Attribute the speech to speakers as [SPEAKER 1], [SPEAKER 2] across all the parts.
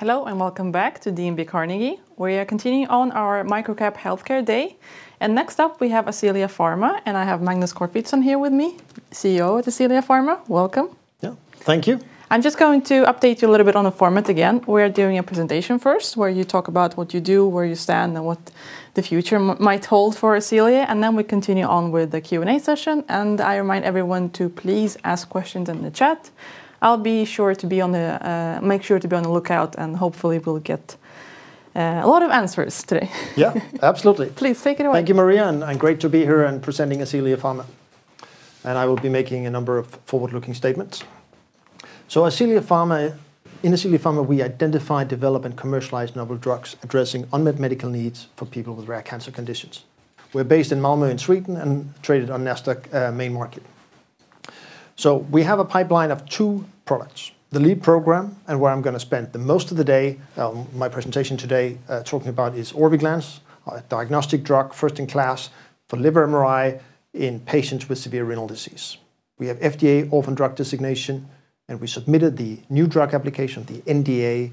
[SPEAKER 1] Hello, and welcome back to DNB Carnegie. We are continuing our Microcap Healthcare Day. Next up we have Ascelia Pharma, and I have Magnus Corfitzen with me, CEO of Ascelia Pharma. Welcome.
[SPEAKER 2] Yeah. Thank you.
[SPEAKER 1] I'll briefly update you on the format. We will start with a presentation where you talk about what you do, where you stand, and what the future may hold for Ascelia. After that, we will continue with a Q&A session. I remind everyone to please ask questions in the chat. I'll be on the lookout, and hopefully we'll get a lot of answers today.
[SPEAKER 2] Yeah. Absolutely.
[SPEAKER 1] Please take it away.
[SPEAKER 2] Thank you, Maria. It's great to be here and present Ascelia Pharma. I will be making a number of forward-looking statements. At Ascelia Pharma, we identify, develop, and commercialize novel drugs addressing unmet medical needs for people with rare cancer conditions. We're based in Malmö, Sweden, and traded on Nasdaq Main Market. We have a pipeline of two products. The lead program, which I will spend most of my presentation discussing today, is Orviglance, a first-in-class diagnostic drug for liver MRI in patients with severe renal disease. We have FDA Orphan Drug Designation, and we submitted the new drug application, the NDA,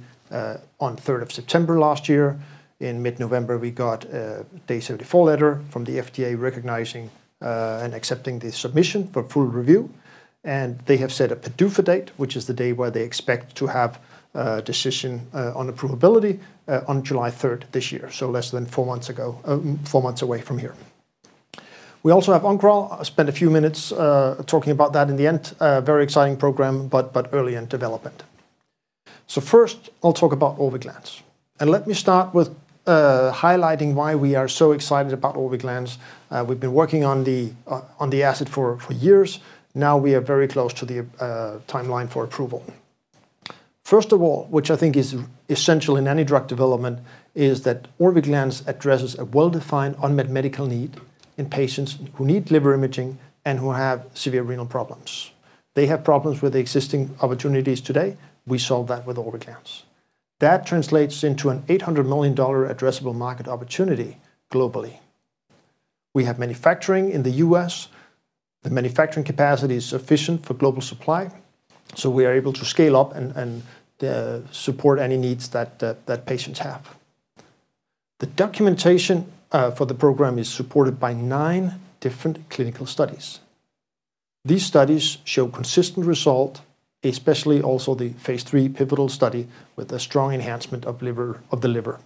[SPEAKER 2] on September 3 last year. In mid-November, we received a Day 74 letter from the FDA recognizing and accepting the submission for full review. They have set a PDUFA date, which is when they expect to have a decision on approvability, on July 3 this year, so less than four months away. We also have Oncoral. I'll spend a few minutes talking about that at the end. It's a very exciting program, but still early in development. First, I'll talk about Orviglance. Let me start by highlighting why we are so excited about it. We've been working on this asset for years, and now we are very close to the timeline for approval. First of all, which I think is essential in any drug development, Orviglance addresses a well-defined unmet medical need in patients who require liver imaging and who have severe renal problems. They have challenges with the existing options available today. We solve that with Orviglance. That translates into an $800 million addressable market opportunity globally. We have manufacturing in the U.S., and the manufacturing capacity is sufficient for global supply, so we are able to scale up and support any needs that patients have. The documentation for the program is supported by nine different clinical studies. These studies show consistent results, especially the Phase 3 pivotal study with strong enhancement of the liver.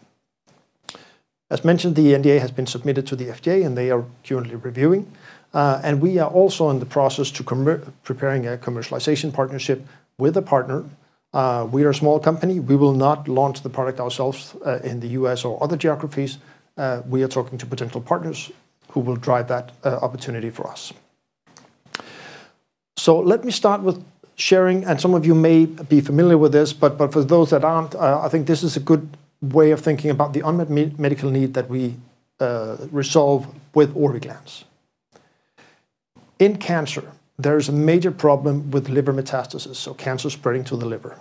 [SPEAKER 2] As mentioned, the NDA has been submitted to the FDA, and they are currently reviewing it. We are also preparing a commercialization partnership. We are a small company, so we will not launch the product ourselves in the U.S. or other geographies. We are talking to potential partners who will drive that opportunity for us. Let me start by sharing this. Some of you may be familiar with it, but for those who aren't, this is a good way to understand the unmet medical need that Orviglance addresses. In cancer, liver metastasis is a major problem, meaning cancer spreading to the liver.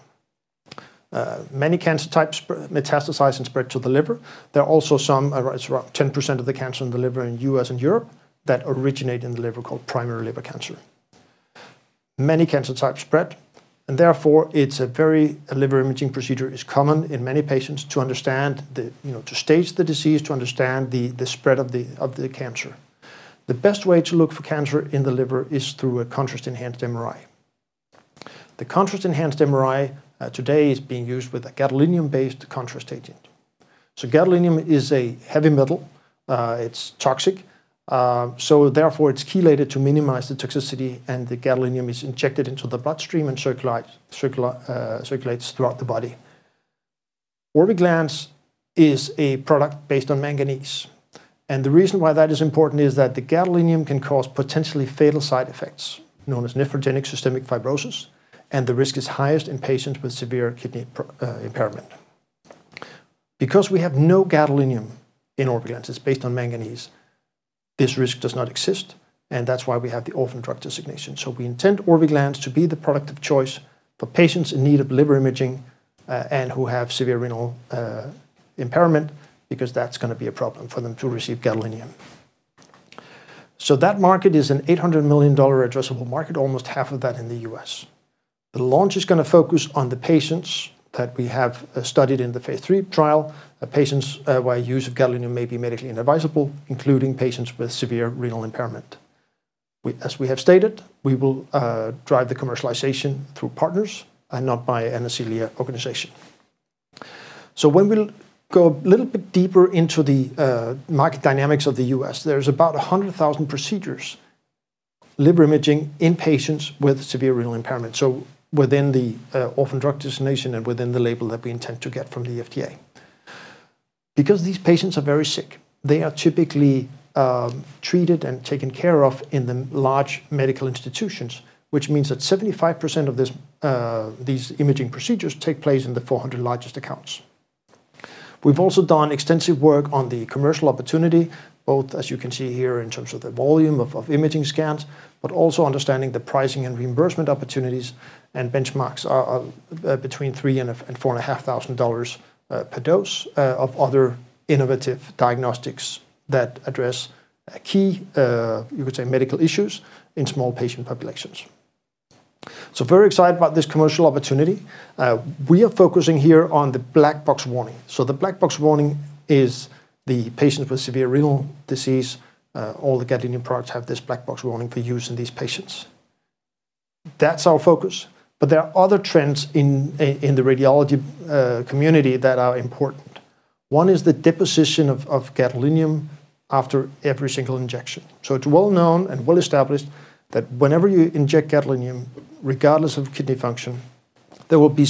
[SPEAKER 2] Many cancer types metastasize to the liver. Around 10% of liver cancers in the U.S. and Europe originate in the liver, called primary liver cancer. Liver imaging is therefore common to stage the disease and assess cancer spread. The best way to examine the liver for cancer is through a contrast-enhanced MRI. Today, contrast-enhanced MRI uses a gadolinium-based contrast agent. Gadolinium is a heavy metal and is toxic. It is chelated to minimize toxicity and injected into the bloodstream. Orviglance is manganese-based. This is important because gadolinium can cause potentially fatal side effects, known as nephrogenic systemic fibrosis, with the highest risk in patients with severe kidney impairment. Orviglance contains no gadolinium, so this risk does not exist, which is why it has Orphan Drug Designation. We intend Orviglance to be the product of choice for patients needing liver imaging who have severe renal impairment, because they cannot safely receive gadolinium. The market is an $800 million addressable market, almost half in the U.S. The launch will focus on patients studied in the Phase III trial, where gadolinium use may be medically inadvisable. We will drive commercialization through partners, not through an Ascelia organization. Looking deeper into the U.S. market dynamics, there are about 100,000 liver imaging procedures for patients with severe renal impairment, within the Orphan Drug Designation and intended FDA label. These patients are very sick and typically treated in large medical institutions, meaning 75% of these procedures take place in the 400 largest accounts. We have also done extensive work on the commercial opportunity, looking at imaging scan volume and pricing and reimbursement benchmarks, which range from $3,000 to $4,500 per dose for other innovative diagnostics serving small patient populations. We are focusing on the black box warning, which applies to patients with severe renal disease. All gadolinium products have this warning. Other trends in radiology are also important, such as gadolinium deposition after each injection. It is well established that gadolinium deposits in various tissues regardless of kidney function. Over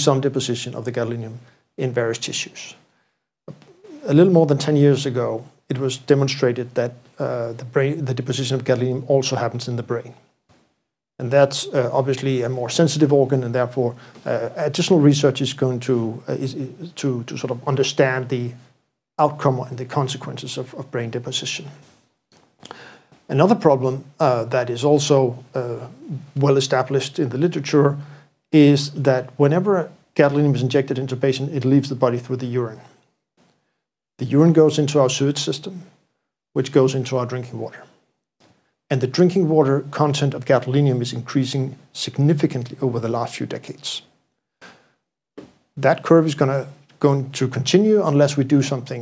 [SPEAKER 2] ten years ago, it was shown that gadolinium also deposits in the brain, a sensitive organ, which requires further research. Another issue is that injected gadolinium leaves the body through urine, entering sewage systems and drinking water. The gadolinium content in drinking water has increased significantly over recent decades. This trend will continue unless addressed.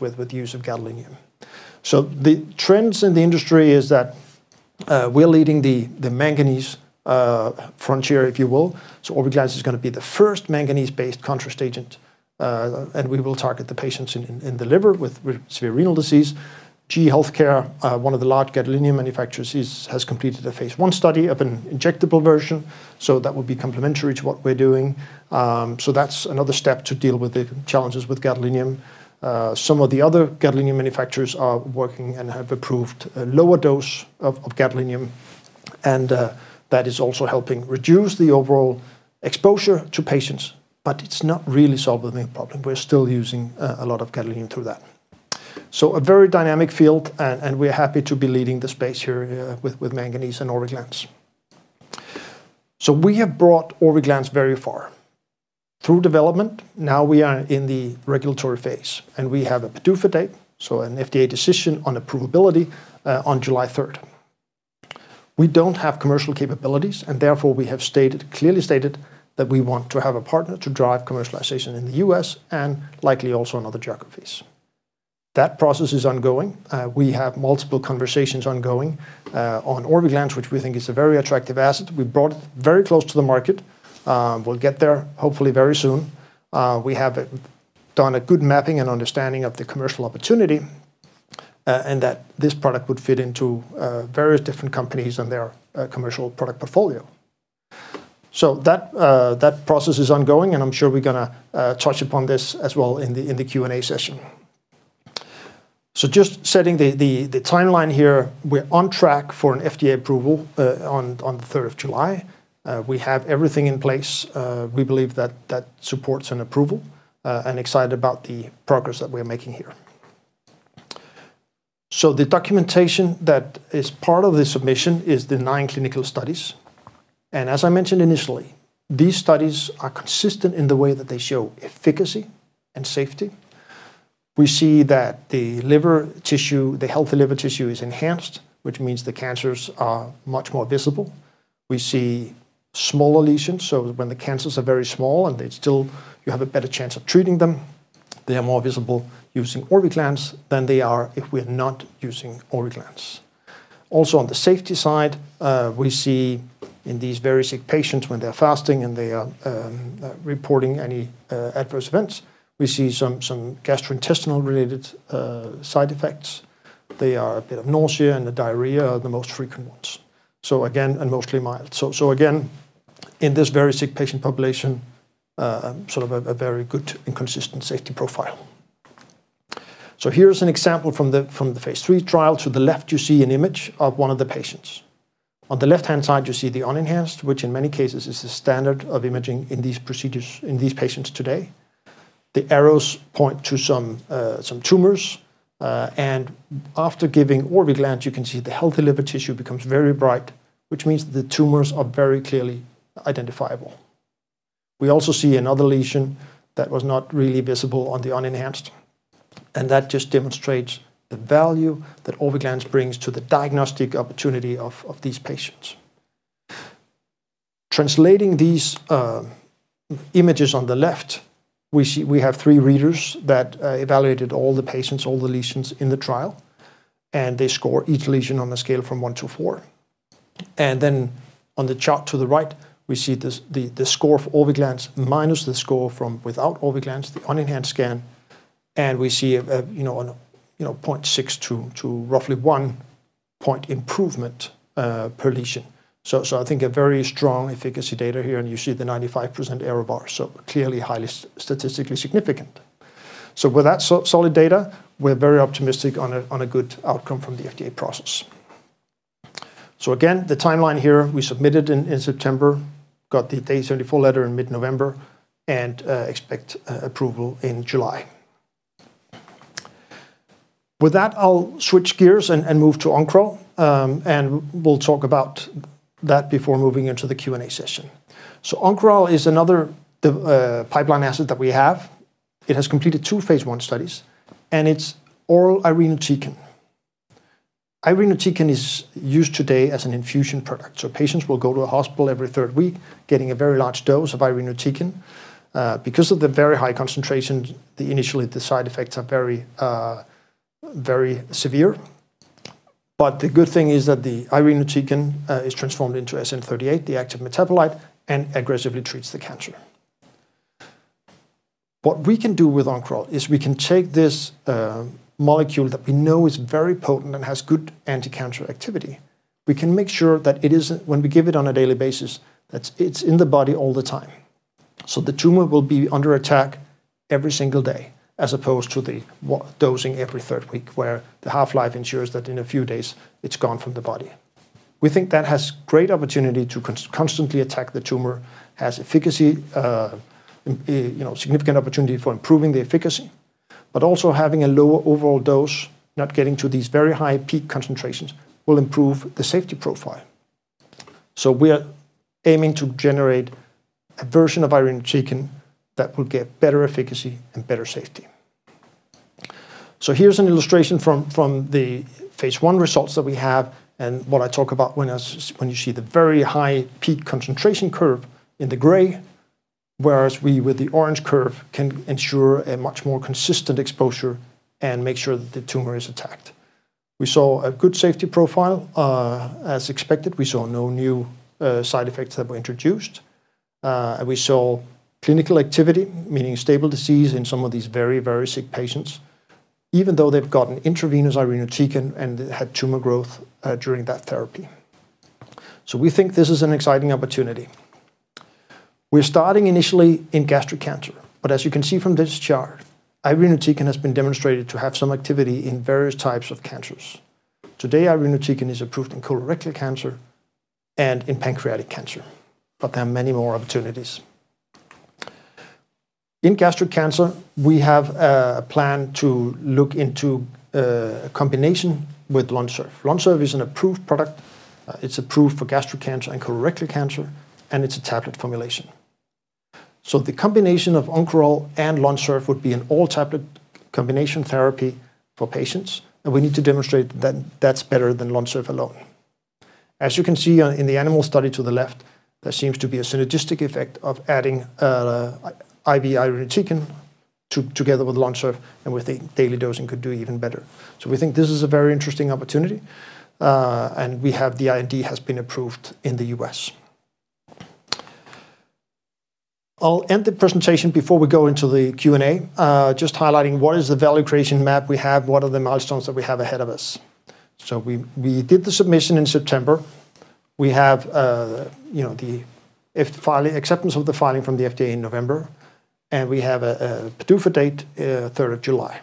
[SPEAKER 2] We are leading the manganese frontier. Orviglance will be the first manganese-based contrast agent, targeting liver patients with severe renal disease. GE HealthCare, a large gadolinium manufacturer, has completed a Phase I study of an injectable manganese version, complementary to our work. Other manufacturers are working on lower gadolinium doses, which reduce exposure but do not solve the problem. Gadolinium use remains high. This is a dynamic field, and we are happy to lead with manganese and Orviglance. We have advanced Orviglance through development into the regulatory phase, with a PDUFA date on July 3 for FDA approval. We do not have commercial capabilities, so we are seeking a partner to drive commercialization in the U.S. and other geographies. The process is ongoing, and we have multiple conversations. Orviglance is very close to the market, and we hope to get there soon. We have mapped the commercial opportunity and how this product fits into different companies’ portfolios. This process is ongoing, and we will likely discuss it further during Q&A. The timeline remains: FDA approval expected on July 3. We have everything in place and believe the approval is supported. The NDA includes nine clinical studies, consistently showing efficacy and safety. Healthy liver tissue is enhanced, making cancers much more visible. Small lesions are more detectable, increasing treatment opportunities. Regarding safety, in these very sick patients, adverse events were mainly mild gastrointestinal side effects, including nausea and diarrhea. Overall, the safety profile is consistent. This is demonstrated in the Phase 3 trial. On the left, you see an image of a patient. The unenhanced scan is standard practice. Arrows point to tumors, and after Orviglance, healthy liver tissue appears bright, highlighting tumors clearly. Another lesion not visible in the unenhanced scan is now visible, demonstrating Orviglance’s diagnostic value. Three readers evaluated all lesions, scoring each from 1 to 4. On the chart to the right, we see the Orviglance score minus the score from the unenhanced scan. We observe roughly a 0.6 to 1-point improvement per lesion. This demonstrates very strong efficacy, with a 95% error bar indicating high statistical significance. With this solid data, we are optimistic about a positive FDA outcome. Timeline-wise, we submitted in September, received the Day 74 Letter in mid-November, and expect approval in July. With that, I will switch gears to Oncoral before moving into the Q&A session. Oncoral is another pipeline asset. It has completed two Phase 1 studies and is an oral formulation of irinotecan. Irinotecan is currently administered as an infusion every third week in hospitals, with very high doses that can cause severe side effects initially. The active metabolite, SN-38, aggressively treats cancer. With Oncoral, we aim to deliver this potent molecule daily, ensuring continuous tumor attack, rather than the intermittent exposure from three-week dosing. With dosing every third week, the drug half-life means it is gone from the body in a few days. Daily dosing provides continuous tumor exposure, potentially improving efficacy and lowering peak concentrations, which enhances safety. Our goal is to create an irinotecan version with better efficacy and safety. Phase 1 results illustrate this: the gray curve shows high peak concentrations with standard dosing, while the orange curve shows consistent exposure and continuous tumor attack. Safety outcomes were favorable as expected. No new side effects were observed. Clinical activity included stable disease in very sick patients who previously had tumor growth on IV irinotecan. This is an exciting opportunity. We are starting with gastric cancer. Irinotecan has demonstrated activity in multiple cancer types and is approved for colorectal and pancreatic cancers. For gastric cancer, we plan combination therapy with LONSURF, an approved oral tablet. The combination of Oncoral and LONSURF would be an all-tablet therapy. Animal studies suggest a synergistic effect of IV irinotecan plus LONSURF, which daily oral dosing could improve. This is a promising opportunity. The IND has been approved in the U.S. I will conclude the presentation before Q&A by highlighting our value creation map and upcoming milestones. Submission occurred in September, FDA acceptance in November, with a PDUFA date on July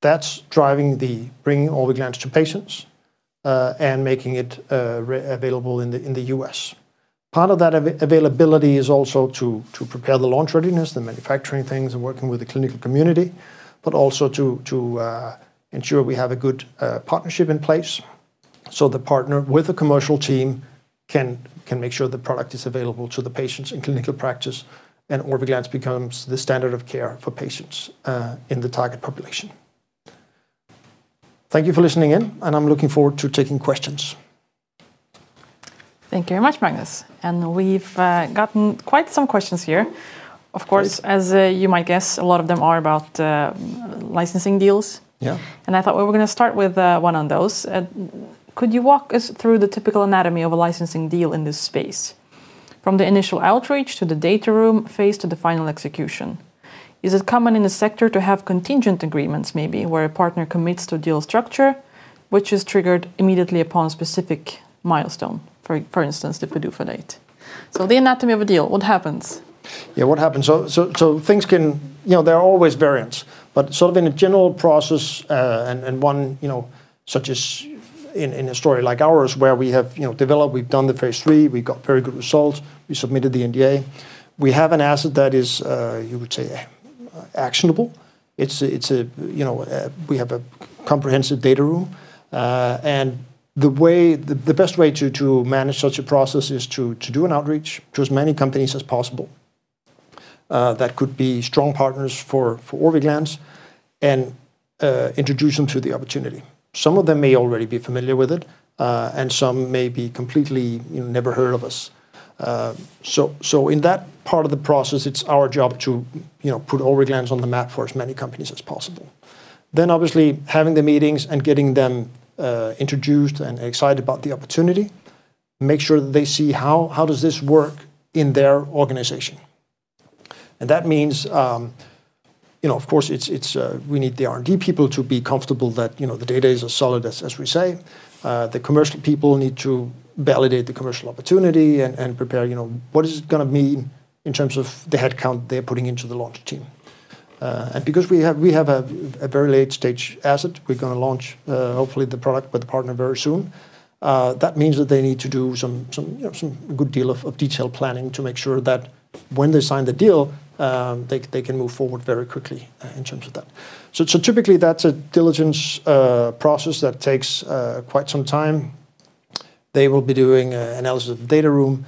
[SPEAKER 2] 3. This drives Orviglance availability in the U.S. We are preparing launch readiness, manufacturing, and clinical engagement, and ensuring a strong partnership with a commercial team to make the product available to patients and establish Orviglance as standard of care in the target population. Thank you for listening, and I look forward to questions.
[SPEAKER 1] Thank you very much, Magnus. We've received quite a few questions.
[SPEAKER 2] Great.
[SPEAKER 1] Of course. As you might guess, many questions are about licensing deals.
[SPEAKER 2] Yeah.
[SPEAKER 1] I thought we would start with one of those. Could you walk us through the typical anatomy of a licensing deal, from initial outreach to the data room phase to final execution? Is it common to have contingent agreements triggered by a milestone, like the PDUFA date?
[SPEAKER 2] Yes. There are always variants, but generally, for a late-stage asset like ours, after completing Phase 3 with good results and submitting the NDA, we have a comprehensive data room. The best approach is to reach out to as many potential partners as possible. Some may be familiar with the asset, others not. Our goal is to introduce Orviglance widely and generate interest. We aim to put Orviglance on the map for as many companies as possible. Meetings help R&D teams validate data, while commercial teams assess market opportunity and plan headcount for launch. Because we are late-stage, the partner needs detailed planning to execute quickly once the deal is signed. This diligence often involves data room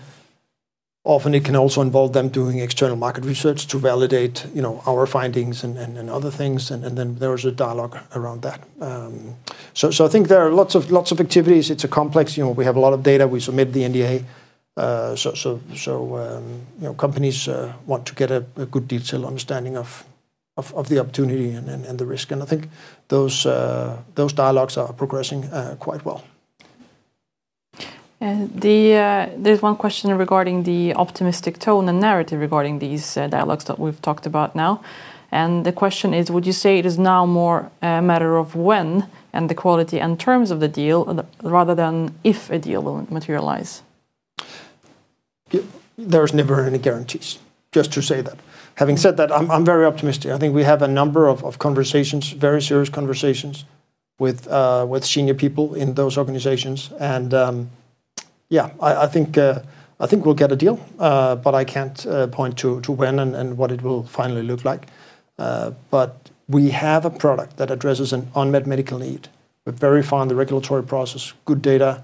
[SPEAKER 2] analysis, external market research, and ongoing dialogue. There are many steps because we have substantial data and submitted the NDA. Companies want detailed understanding of the opportunity and risks, and these discussions are progressing well.
[SPEAKER 1] A question about your optimistic tone in these discussions: Would you say it is now more a matter of when and the quality and terms of the deal rather than if a deal will happen?
[SPEAKER 2] There are no guarantees, but I am very optimistic. We are having serious conversations with senior executives. We expect a deal, though timing and final terms are uncertain. Orviglance addresses an unmet need, has strong data,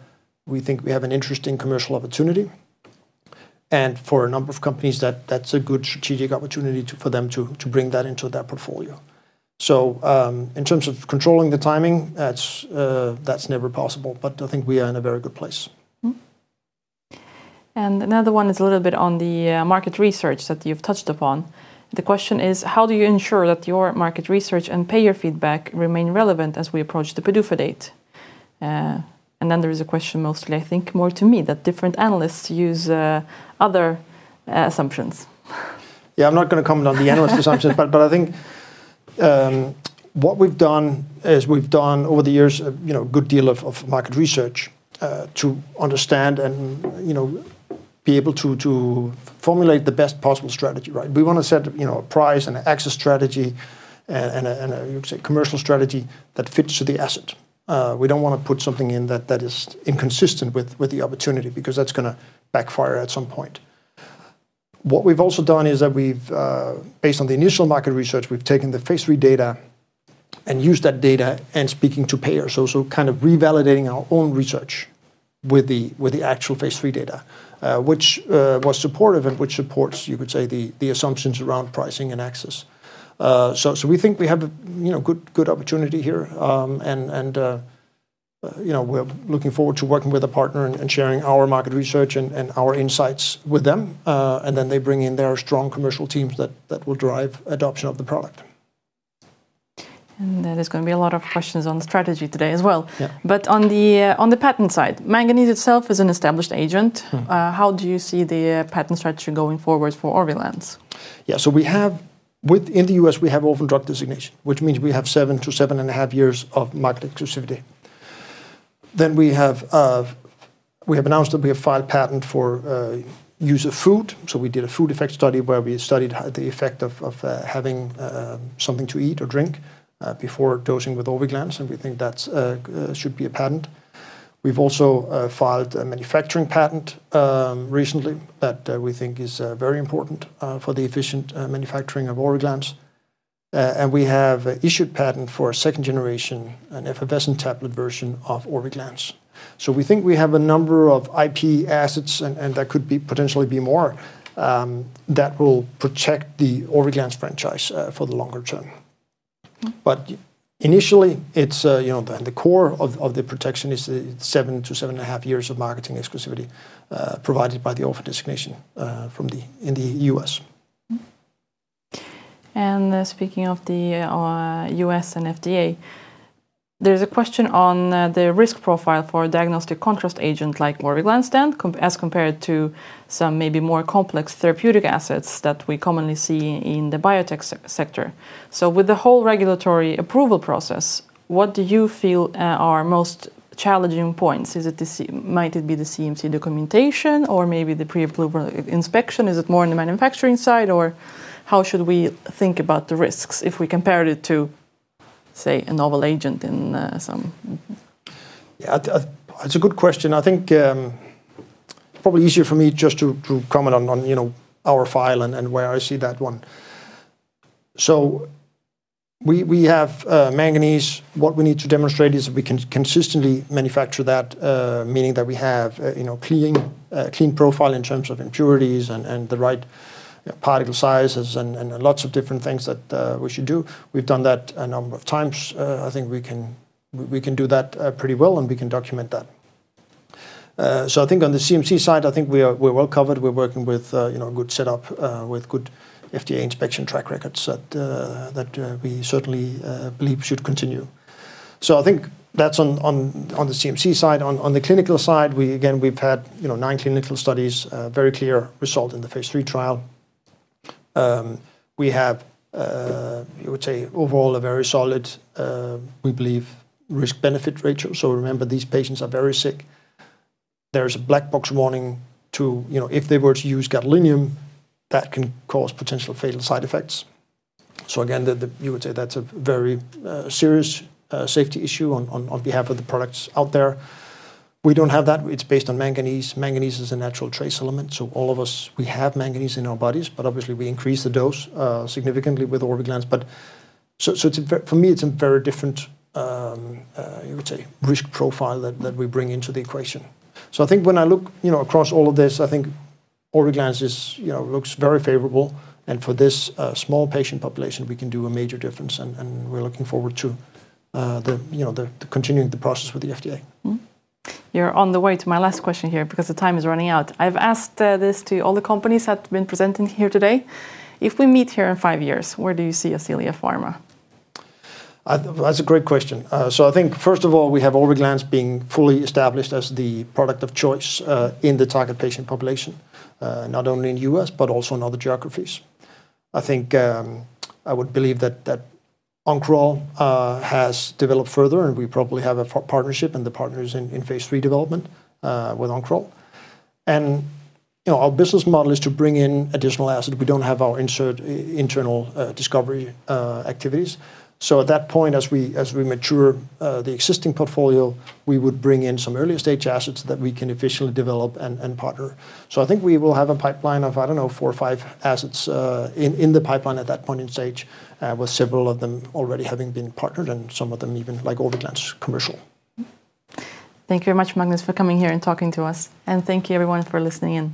[SPEAKER 2] and presents a strategic opportunity for companies’ portfolios. We cannot control timing, but we are in a good position.
[SPEAKER 1] Another question on market research: How do you ensure your research and payer feedback remain relevant approaching the PDUFA date, given analysts may use different assumptions?
[SPEAKER 2] I won’t comment on analysts’ assumptions. Over the years, we have conducted extensive market research to develop the best strategy, including pricing, access, and commercial plans aligned with the asset. We avoid strategies inconsistent with the opportunity, as that could backfire. We also validated initial market research with Phase III data, engaging payers to confirm assumptions about pricing and access. This ensures strong insights to share with partners, whose commercial teams will drive product adoption.
[SPEAKER 1] There are going to be many questions on strategy today as well.
[SPEAKER 2] Yeah.
[SPEAKER 1] On the, on the patent side, manganese itself is an established agent.
[SPEAKER 2] Yes
[SPEAKER 1] How do you see the patent strategy going forward for Orviglance?
[SPEAKER 2] In the U.S., we have Orphan Drug Designation, providing 7 to 7.5 years of market exclusivity. We filed a patent for the food effect study, examining how eating or drinking before dosing affects Orviglance. We also filed a manufacturing patent to improve efficient production and have an issued patent for a second-generation effervescent tablet version. We believe we have several IP assets and potentially more to protect the Orviglance franchise long-term.
[SPEAKER 1] Yes
[SPEAKER 2] The core protection remains the seven to seven-and-a-half years of marketing exclusivity from the Orphan Drug Designation in the U.S.
[SPEAKER 1] Regarding the U.S. and FDA, there’s a question on the risk profile for a diagnostic contrast agent like Orviglance compared to more complex therapeutic biotech assets. With the regulatory approval process, what are the most challenging points? CMC documentation, pre-approval inspection, manufacturing, or other risks?
[SPEAKER 2] Good question. For us, we need to demonstrate consistent manufacture of manganese, with controlled impurities, particle sizes, and other parameters. We have done this successfully multiple times. On the CMC side, we are well covered, with a setup that has strong FDA inspection track records. On the clinical side, we have nine clinical studies, including a clear Phase 3 result. We believe the risk-benefit ratio is solid. Patients with severe renal impairment face serious risks with gadolinium, but Orviglance, based on manganese, avoids that. Manganese is a natural trace element present in everyone, but Orviglance increases the dose significantly. This represents a very different risk profile. Overall, Orviglance looks favorable, and for this small patient population, it can make a major difference. We look forward to continuing the FDA process.
[SPEAKER 1] Time is running out, so my last question: If we meet in five years, where do you see Ascelia Pharma?
[SPEAKER 2] In five years, Orviglance will be fully established as the product of choice in the target patient population, in the U.S. and other geographies. Oncoral will likely have progressed, with a partner in Phase 3 development. Our model is to bring in additional assets. We would mature the existing portfolio while developing and partnering earlier-stage assets efficiently. We expect a pipeline of four or five assets, several already partnered and some, like Orviglance, already commercial.
[SPEAKER 1] Thank you very much, Magnus, for joining us. Thank you everyone for listening.